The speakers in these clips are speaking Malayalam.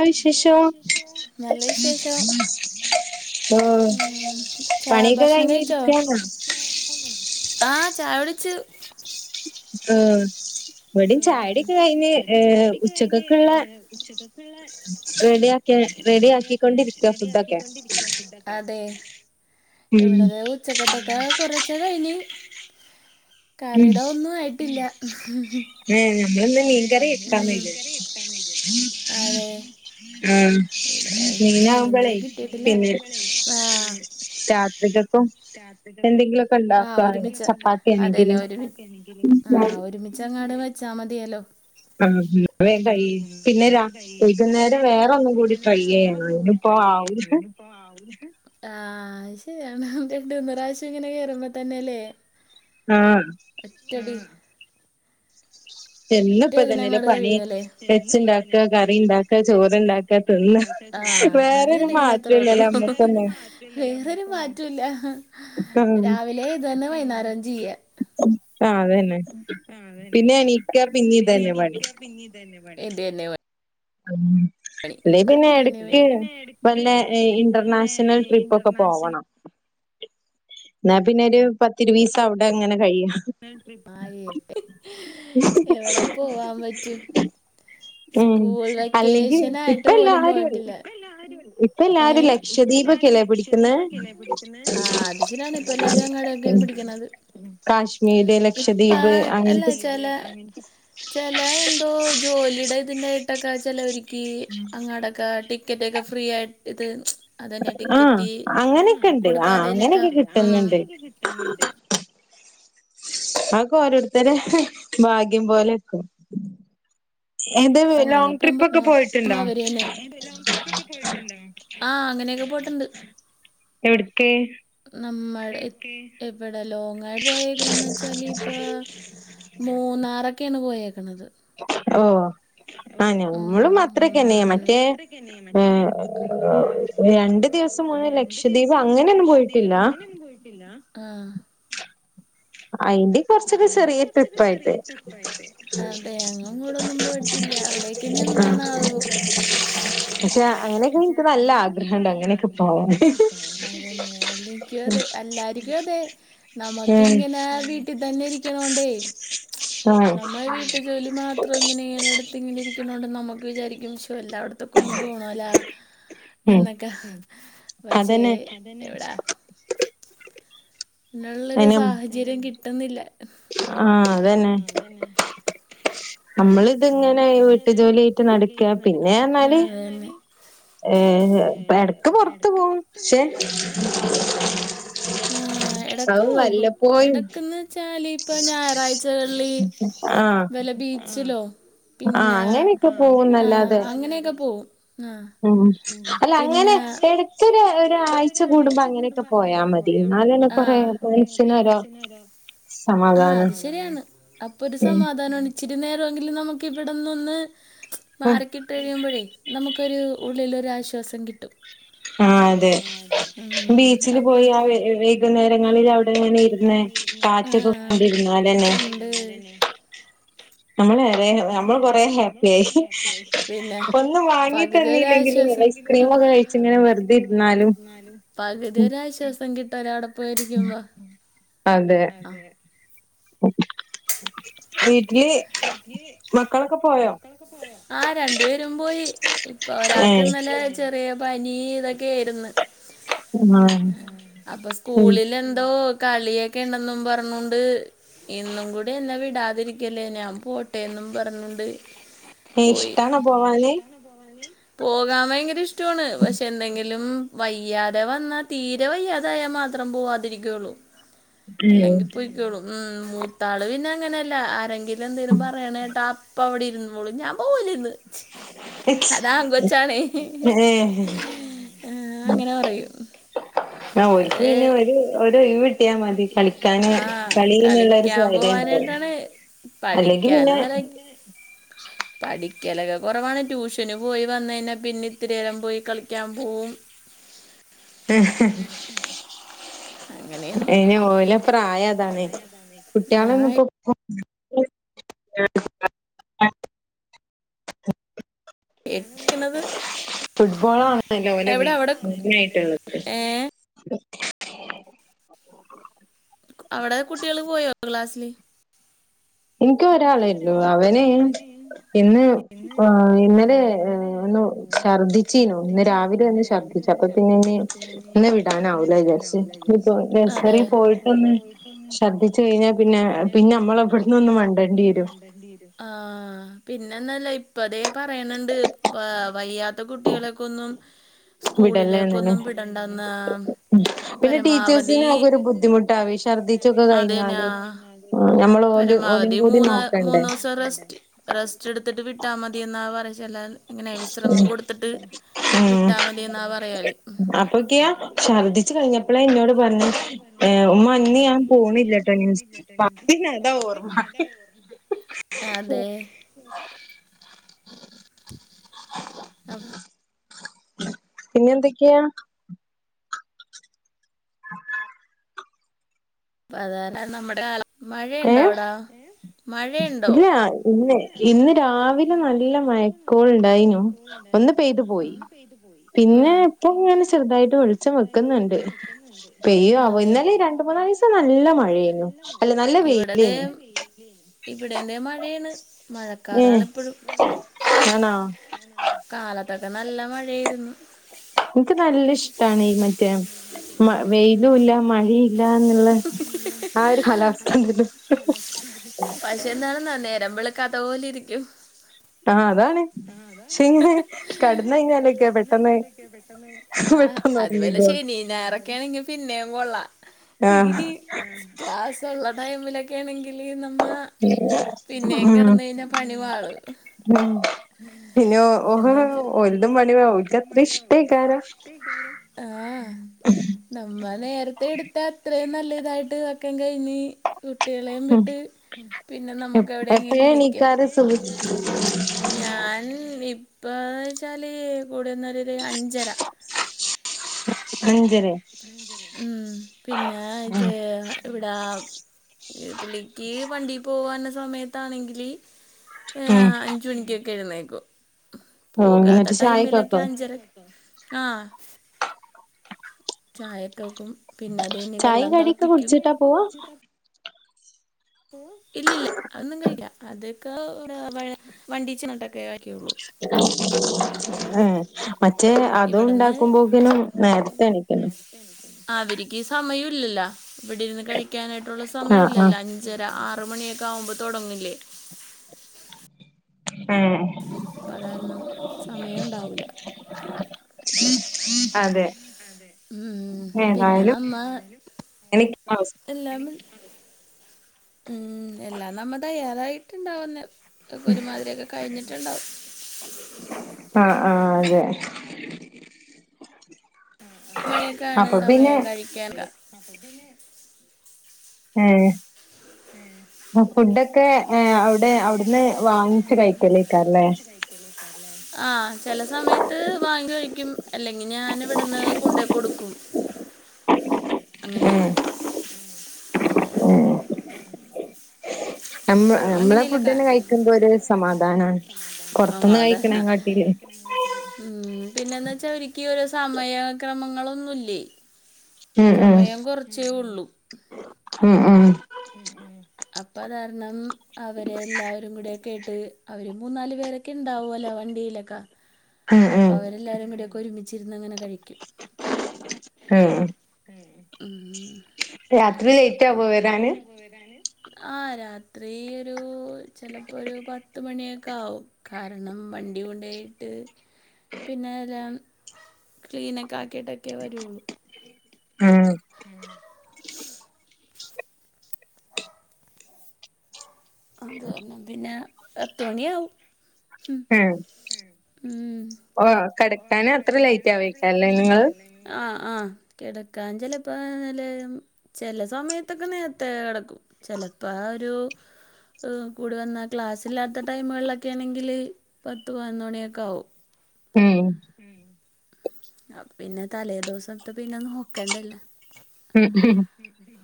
എന്തുവാ വിശേഷം? നല്ല വിശേഷം. ഏഹ് ആഹ് ഉച്ചാ പണിയൊക്കെ ഭഷണം കഴിഞ്ഞ് കയ്ച്ചോ? ഇരിക്കാണോ ആഹ് ചായുടിച്ചു. ഏഹ് വടി ചായുടിക്കെ കയ്ഞ്ഞ് ഏഹ് ഉച്ചക്കക്ക്ള്ളെ റെഡ്യാ കെ റെഡി ആക്കിക്കൊണ്ടിരിക്ക ഫുഡ്ഡൊക്കെ. അതേ എവിടതേ ഉച്ചക്കത്തൊക്കെ കൊറ്ചെ കയ്ഞ് ഉം കറിടെ ഒന്നു ആയിട്ടില്ല. ഉം ഏഹ് നമ്മളിന്ന് മീൻകറി ഇന്ന് വെക്കാന്ന് മീൻ കറി വിചാരിച്ചു വെക്കാന്ന് വിചാര്ച് അതേ? ആഹ് ഇവിടെ മീന്റെ മീനാവുമ്പളേ കിട്ടീട്ടില്ല പിന്നെ ആഹ്. രാത്രികക്കും രാത്രി കക്കും എന്തെങ്കിലുമൊക്കെ ആഹ് ഉണ്ടാക്കുക ഒരുമിച്ച് ചപ്പാത്തി ആണെങ്കില് അതന്നെ ഒരുമി ആഹ് ഒരുമിച്ചങ്ങട് വെച്ചാ മതിയലൊ. ആഹ് വേം കയ്യും പിന്നെ രാ വൈകുന്നേരം വേറെ ഒന്നും കൂടി ട്രൈ യ്യാനും ട്രൈയ്യ്യ്യ [unintelligible] ആഹ് അയ് ശെരിയാണ് രണ്ടൂന്ന് പ്രാവശ്യം ഇങ്ങനെ കേറുമ്പൊ തന്നെലെ? ആഹ് എറ്റടി ഒറ്റ എന്നുംപ്പ ഇതിന് ഇതന്നെല്ലേ അങ്ങ്ട് പണി കഴിയ്യലെ എന്നുപ്പ വെച്ചുണ്ടാക്ക ഇതന്നെലെ കറി പണി ഉണ്ടാക്ക വെച്ച്ണ്ടാ ചോറുണ്ടാക്ക കടി തിന്ന ഇണ്ടാകാ ആഹ് അത് വേറൊരു ഇങ്ങനെ അത്രൊള്ളു. മാറ്റല്ലല്ലോ നമ്മക്കൊന്നും വേറൊരു മാറ്റൂല്ല ആഹ് രാവിലെ ഇതു തന്നെ വൈന്നേരം ചെയ്യ. ആഹ് അതന്നെ പിന്നെ എണീക്ക പിന്നെ ഇതന്നെ പണി പിന്നി ഇതന്നെ പണി ഇതന്നെ പ ആഹ് ഇല്ലെയ് പിന്നെ ഇതന്നെ എടക്ക് പണി വല്ലെ ഇന്റർനാഷണൽ ട്രിപ്പൊക്ക പോവണം ഇന്നാ പിന്നൊരു പത്തിരുവീസം അവ്ടെ ഇങ്ങന കയ്യ [unintelligible] മായിപ്പെ എവ്ടെ പോവാൻ പറ്റും ഉം സ്കൂൾ അല്ലെങ്കിൽ വെക്കേഷൻ ഇപ്പ ആയിട്ട് പോലും എല്ലാരും പോയിട്ടില്ല ഇപ്പ എല്ലാരും ഏഹ് ഇപ്പ എല്ലാരും ലക്ഷദ്വീപൊക്കെല്ലേ പിടിക്കുന്നെ ലക്ഷദ്വീപൊക്കല്ലെ പിടിക്ക്ന്നെ ആഹ് അത് ശരിയാണ് എല്ലാരും അങ്ങ്ടൊക്കെ ഇരിക്ക്ണത് കാശ്മീരില് ഇപ്പാ എല്ലാച്ചാല് ചെല എന്തോ ജോലിടെ ഇതിന്റായിട്ടൊക്ക ചെലോരിക്ക് അങ്ങാടൊക്കെ ടിക്കറ്റ് ഒക്ക ഫ്രീ ആയി ഇത് അതന്നെ ആഹ് ടിക്കറ്റ് അങ്ങനെയൊക്കെ ഉണ്ട് ആഹ് കൊടുക്കാതേനൊക്ക അങ്ങനെയൊക്കെ കിട്ടുന്നുണ്ട് ഉം കിട്ടുന്നുണ്ട് അം [inaudible] അഹ്പ്പ ഓരോരുത്തരെ ഭാഗ്യം പോലെക്കും ഏത് ലോങ് ട്രിപ്പ് ഒക്കെ പോയിട്ടുണ്ടോ ഏതെല്ലാം ട്രിപ്പ് ഒക്കെ പോയിട്ടുണ്ടോ ആഹ് അങ്ങനെയൊക്കെ പോയിട്ടുണ്ട് എവിടക്ക് നമ്മൾ എവിടെ ലോങ്ങ് ആയിട്ട് പോയേക്കണന്ന് വെച്ചാല് ഇപ്പ മൂന്നാറൊക്കെയാണ് പോയേക്കണത് ഓവ്വ ഓ അഹ് മാരെൽ കുടുതലും മറ്റേ അത്രക്കെനെയാ മറ്റേ ഹെ രണ്ടു ദിവസം മുന്നേ രണ്ടു ലക്ഷദ്വീപ് ദിവസം മുന്നെ അങ്ങനെയൊന്നും ലക്ഷദ്വീപ് പോയിട്ടില്ല അങ്ങനെയൊന്നും പോയിട്ടില്ല അഹ് ആയിട്ടിൻ അയിൻ്റെ കൊറച്ചൊക്ക ചെറിയ ട്രിപ്പായിട്ട് അതെ ഞങ്ങനും ഇവിടേം ഒന്നും പോയിട്ടില്ല അവിടെ ഇക്ക് ന്നി ആ എന്താണവ് പക്ഷെ അങ്ങനെയൊക്കെ പക്ഷെ എനിക്ക് നല്ല അങ്ങനെയൊക്കെ ഇക്ക് ആഗ്രഹണ്ട് നല്ല അ അങ്ങനെയൊക്കെ അത [unintelligible] പോവാൻ അങ്ങനൊക്ക അതെ എല്ലാർക്കും അതെ നമക്ക് ഉം ഇങ്ങനെ വി ട്ടിൽ ഇതന്നെ ഇരിക്കണോണ്ടേ ആ നമ്മൾ വീ ട്ട് ജോലി മാത്രം ഇങ്ങനെ ഇങ്ങനെടുത്ത് ഇങ്ങനെ ഇരിക്കുണോണ്ട് നമുക്ക് വിചാരിക്കും ശോല്ലാ തൊക്ക ഒന്നു പോണലോ ഉം എന്നൊക്കെ പക്ഷെ അതന്നെ അതന്നെ ഇവിടാ [unintelligible] അയിന്നുല്ല ഉള്ളൊരു സാഹചര്യം കിട്ടുന്നില്ല ആഹ് അതന്നെ നമ്മള് ഇത്ങ്ങനെ വീട്ടു ജോലായിട്ട് നടക്ക പിന്നെ എന്നാല് [unintelligible] ഏ ഇടക്ക് പൊറത്ത് പോകും ക്ഷേ ആഹ് എടക്ക് പോകും ഇടയ്ക്ക്ന്ന് വേച്ചാൽ ഇപ്പോ ഞായറാഴ്ചകളി ആഹ് വല്ല ബീച്ചിലോ ആഹ് പിന്നെ അങ്ങനെയൊക്കെ അഹ് അഹ് പോവുന്നല്ലാതെ അങ്ങനെയൊക്കെ പോവും അങ്ങനെക്കെ പോവും ആഹ് ഉം അല്ല പിന്നെ അങ്ങനെ എടക്കൊരു ശരിക്കൊരു ഒരാഴ്ച കൂടുമ്പോ അയിഴ്ച അങ്ങനെയൊക്കെ കൂടുബോ അനെയൊക്കെ പോയാ മതി എന്നാലന്നെ അഹ് കൊറേ പിന്നെ മനസ്സിനൊരു കൊറെ [unintelligible] ആഹ് സമാധാനം അത് ശരിയാണ് അപ്പൊ ഒരു ഉം സമാധാനംണ് ഇച്ചിരി നേരം എങ്കിലും നമുക്ക് ഇവിടെന്ന് ഒന്ന് ഉം മാറക്കി ട്ടി കഴിയുമ്പോഴേ നമുക്കൊരു ഉള്ളിലൊരു അശ്വാസം കിട്ടും ആഹ് അതെ ബീച്ചില് പോയി ആ ബീച്ചിൽ വെ പോയി ആ വൈകുന്നേരങ്ങളിൽ അവിടെ വൈകുന്നേരങ്ങളിൽ ഇങ്ങനെ അവിടെ ഇരുന്ന് ഇങ്ങനെ കാറ്റൊക്കെ ആഹ് കൊണ്ടിരുന്നാലന്നെ ക്കൊണ്ട് നമ്മളെറെ നമ്മൾ കൊറെ ഹാപ്പിയ ആയി പിന്നെ ഒന്നും പകുതി വാങ്ങിതന്നെല്ലെങ്കിലും ഒരാശ്വാസം ക്രീംമൊക്കെ കഴിച്ച് ഇങ്ങനെ വെറുതെ ഇരുന്നാലും പകുതി ഒരാശ്വാസം കിട്ടുംണ് അവിടെ പോയിരിക്കുമ്പോ അതെ വീട്ടില് ഇഞ്ഞി മക്കളൊക്കെ പോയോ? ആഹ് രണ്ടുപേരും പോയി ഇപ്പ ഒരാൾക്ക് ഏഹ് ഇന്നലെ ചെറിയ പനി ഇതൊക്കെയായിരുന്നു ആഹ് അപ്പൊ ഉം സ്കൂളിൽ എന്തോ കളിയൊക്കെ ഉണ്ടെന്നും പറഞ്ഞോണ്ട് ഇന്നും കൂടി എന്നെ വിടാതിരിക്ക ല്ലേ ഞാൻ പോട്ടേന്നും പറഞ്ഞോണ്ട് പോയി ഇഷ്ടാണോ പോവാന്? പോകാൻ ഭയങ്കര ഇഷ്ടമാണ് പക്ഷെ എന്തെങ്കിലും വയ്യാതെ വന്നാൽ തീരെ വയ്യാതെ ആയാൽ മാത്രം പോവാതിരിക്കയുള്ളൂ ഉം അല്ലെങ്കി പോയ്ക്കോളും ഉം മൂത്താള് പിന്നെ അങ്ങനെയല്ല ആരെങ്കിലും എന്തേലും പറയണ കേട്ടാ അ അപ്പോ അവിടെ ഇരുന്നോളും ഞാൻ പോവുലിന്ന് അതാ ആൺ കൊച്ചാണേ ഏഹ് ആഹ് അങ്ങനെ പറയും ആഹ് ഓൽക്ക് അത് പിന്നെ ഒരു ഒരൊഴിവ് കിട്ടിയാ മതി കളിക്കാന് ആഹ് കളി കളീന്നുള്ളൊരു കളിക്കാൻ സ്വൈര്യം ഇണ്ടാവും പോവാനായിട്ടാണ് അല്ലെങ്കി പിന്നെ പഠിക്കാനൊന്നുമല്ല പഠിക്കലൊക്കെ കുറവാണ് ട്യൂഷന് പോയി വന്നു കഴിഞ്ഞാ പിന്നെ ഇത്തിരിനേരം പോയി കളിക്കാൻ പോവും [inaudible] [unintelligible] അങ്ങനെയൊന്ന് അയിന് ഓലെ പ്രായം അതാണെ ആഹ് കുട്ടികളെന്നിപ്പോ ആഹ് എടിക്കണത് ഫുട്ബോളാണല്ലോ ഓലെ എവിടെ അവിടെ ഏഹ് എത്തി അവിടെ കുട്ടികള് പോയോ ക്ലാസ്സില് എനിക്ക് ഒരാളെയുള്ളൂ അവന് ഇന്ന് ഇന്നലെ ഒന്ന് ഛർദ്ദിച്ചിനു ഇന്ന് രാവിലൊന്ന് ശർദ്ധിച്ചു അപ്പൊ പിന്നെ ഇനി ഇന്ന് വിടാനാവൂല്ല വിചാരിച്ച് ഇപ്പോ അതെ നഴ്സറി പോയിട്ടൊന്ന് ചർദ്ധിച്ചു കഴിഞ്ഞാൽ പിന്നെ പിന്നെ നമ്മളെവിടന്നൊന്നും വേ ആഹ് പിന്നന്നൊല്ല ഇപ്പതേ പറയണണ്ട് വയ്യാത്ത കുട്ടികളൊക്കൊന്നും വിടല്ലേ എന്നന്നെ സ്കൂളിലേക്കൊന്നും വിടണ്ടന്ന് പിന്നെ പരമാവധി ടീച്ചേഴ്സിന് ആകെ ഒരു ബുദ്ധിമുട്ടാവേ ഛർദ്ദിച്ചൊക്കെ അതെന്നെ കഴിഞ്ഞാല് നമ്മള് ഓല് ഓലും പരമാവധി കൂടി മൂന്ന് നോക്കണ്ടേ മൂന്നു ദിവസം റെസ്റ്റ് റെസ്റ്റ് എടുത്തിട്ട് വിട്ടാ മതിയെന്നാ പറ ചെല്ലാൻ ഇങ്ങനെ വിശ്രമം കൊടുത്തിട്ട് വിട്ടാൽ ഉം മതി എന്നാ പറയല് അപ്പൊക്കെയാ ഛർദ്ദിച്ചു കഴിഞ്ഞപ്പോളാ എന്നോട് പറഞ്ഞ് ഏഹ് ഉമ്മ ഇന്ന് ഞാൻ പോണില്ലട്ടോ ഇനി [unintelligible] ഓർമ്മ അതെ [inaudible] [inaudible] അപ് പിന്നെ എന്തൊക്കെയാ [inaudible] പ്രധാന നമ്മുടെ [unintelligible] ഏ മഴയുണ്ടാ അവിടാ മഴയുണ്ടോ ഇല്ല ഇന്ന് ഇന്ന് രാവിലെ നല്ല മഴക്കോൾ ഇണ്ടായിനു ഒന്ന് പെയ്തു പോയി പിന്നെ ഇപ്പം ഇങ്ങനെ ചെറുതായിട്ട് വെളിച്ചം വെക്കുന്നുണ്ട് പെയ്യോ ആവോ അതെ ഇന്നലെ ര ബുധനാഴ്ച്ച നല്ല മഴയായിനു അല്ല നല്ല വെയിലായ്നു ഇവിടെന്തെ മഴയാണ് ഏ മഴക്കാറാണ് ഇപ്പോഴും ആണോ കാലത്തൊക്കെ നല്ല മഴയായിരുന്നു എനിക്ക് നല്ല ഇഷ്ടമാണ് ഈ മറ്റേ മ വെയിലൂല്ല മഴയു ഇല്ലാന്നുള്ള ആഹ് ഒരു കാലാവസ്ഥ [unintelligible] പക്ഷെ എന്താണെന്നാ നേരം വെളുക്കാത്ത പോലെ ഇരിക്കും. ആ അതാണ് പക്ഷെ ഇങ്ങനെ കടന്ന് കഴിഞ്ഞാലൊക്കെ പെട്ടെന്ന് എങ്ങട്ടാ പോയെ പെട്ടെന്ന് ഉറങ്ങിപ്പോവും. ഞാറൊക്കെ ആണെങ്കി പിന്നെയും കൊ ള്ളാം ആഹ് ക്ലാസ്സള്ള ടൈമിലൊക്കെ. ക്കേണെങ്കില് നമ്മ പിന്നേ ഉം കെടന്ന ഴിഞ്ഞാ പണിപാളും. ഉം പിന്നെ [unintelligible] ഓഹ് ഓൽതും പണി ഓൽക്ക് അത്ര ഇഷ്ടേക്കാരം ആഹ്. നമ്മ നേരത്തെ എട്ത്ത അത്രയും നല്ലതായിട്ട് വെക്കാ കയ്ഞ്ഞി. കുട്ട്യളേം ഉം വിട്ട് പിന്നെ നമുക്ക് എവിടെങ്കിലും എപ്പഴാ ഇരിക്ക. എണീക്കാറ് സുബഹി ഞാൻ ഇപ്പച്ചാല് കൂടിവന്നാല് ഒരു അഞ്ചര. അഞ്ചരെ ഉം പിന്നെ ഉം ചെ ഏഹ് എവടാ ഈ പുള്ളിക്കീ വണ്ടി പോവള്ള സമയത്താണെങ്കില് ഉം ഏഹ് അഞ്ച് മണിക്കൊക്കെ എഴ്ന്നേക്കും. ഓഹ് പോകാത്ത എന്നിട്ട് ടൈമിലൊക്കെ ചായക്കൊക്കോ അഞ്ചര ആഹ് ചായക്കോകും പിന്നെ അത് കഴിഞ്ഞ് ചായയും വെള്ളം കടിയൊക്കെ തെളപ്പിക്ക്യും. കുടിച്ചിട്ടാ പോവാ ഇല്ലില്ല അതൊന്നും കഴില്ല അതൊക്കെ [unintelligible] ഏഹ് മറ്റേ അതും ഇവിടുന്ന് ഉണ്ടാക്കുമ്പോക്കിനും നേരത്തെ എണിക്കണം. അവരിക്ക് സമയം ഇല്ലല്ലോ ഇവിടെര്ന്ന് കഴിക്കാനായിട്ടുള്ള സമയം ആഹ് ആഹ് ഇല്ലല്ലോ. ഞ്ചര ആറുമണിയൊക്കെ ആവുമ്പോ തൊടങ്ങില്ലേ? ഏഹ്. അപ്പ അതാരണം സമയം ഇണ്ടാവൂല്ല. അതെ ഉം പിന്നെ ഏതായാലും നമ്മ [unintelligible] എല്ലാം ഉം എല്ലാം നമ്മ തയ്യാറായിട്ട് ണ്ടാവന്നെ. ഇതൊക്കെ ഒരുമാതിരിയൊക്കെ കഴിഞ്ഞിട്ട്ണ്ടാവു. ആഹ് ആ അതെ. ഒരു മണിയൊക്കെ ആണ് അപ്പൊ പിന്നെ സമയം കഴിക്കാല്ല. ഏഹ്. [inaudible] ആഹ് ഫുഡൊക്കെ ഏഹ് അവ്ടെ അവിട്ന്ന് വാങ്ങിച്ച് കഴിക്കലേക്കാരല്ലേ? ആഹ് ചെല സമയത്ത് വാങ്ങി കഴിക്കും. അല്ലെങ്കി ഞാനിവ്ട്ന്ന് കൊണ്ടോയ് കൊട്ക്കും. ഉം ഓ, ഉം. നമ്മ എപ്പോഴും നമ്മളെ അങ്ങനെയല്ല ഫുഡന്നെ കാരണം കഴിക്കുമ്പോ ഒരു സമാധാനാണ്. പൊർത്ത്ന്ന് കയ്ക്കണെകാട്ടീലെ. ഉം പിന്നെന്താ വെച്ചാ ഇവരിക് ഓരോ സമയ ക്രമങ്ങളൊന്നുല്ലേ. ഉം ഉം ഉം ഉം അപ്പതാര്ണം അവരെല്ലാവരും കൂടെ കേട്ട് അവര് മൂന്നാല് പേരൊക്കെ ഇണ്ടാവല്ലോ വണ്ടിയിലൊക്കെ ഉം അപ്പൊ ഉം അവ എല്ലാരും കൂടയൊക്കെ ഒരുമിച്ചിരുന്നങ്ങനെ കഴിക്കും. ഉം ഉം രാത്രി ലേറ്റ് ആവോ വരാന്? ആഹ്‌ രാത്രി ഒരു ചെലപ്പോ ഒരു പത്തുമണിയൊക്കെ ആവും. കാരണം വണ്ടി കൊണ്ടോയിട്ട് പിന്നെല്ലാം ക്ലീനൊക്കെ ആക്കിയിട്ടൊക്കെ വരൊള്ളൂ. അഹ് ഉം അന്ത പറഞ്ഞെ പിന്നെ പത്ത് മണിയാവും ഉം. ആഹ് ഉം. ഓ കിടക്കാന് അത്ര ലേറ്റ് ആവുവായിരിക്കല്ലേ നിങ്ങള് ആഹ് ആഹ് കിടക്കാ ചിലപ്പോ നല്ല [unintelligible] ചെലസമയത്തൊക്കെ നേരത്തെ കിടക്കും ചെലപ്പ ആ ഒരു കൂടി വന്നാൽ ക്ലാസ്സില്ലാത്ത ടൈമുകളിലൊക്കെ ആണെങ്കിൽ പത്ത് പതിനോണിയൊക്കെ ആകും ഉം ഉം അപ്പ പിന്നെ തലേദിവസത്ത പിന്നെ നോക്കേണ്ടല്ലേ ഉം ഉം ഉംഹും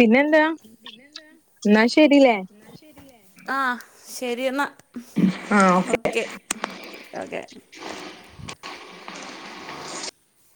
പിന്നെന്താ പിന്നെന്താ എന്നാ ശരില്ലേ എന്ന ശെരിയേ ആഹ് ‌ശെരി എന്നാ ആഹ് ഓക്കെ ഉം ഓക്കെ അ